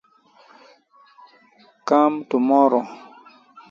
She wrote about her adventures in her memoir, "West with the Night".